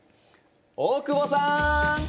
大久保さん！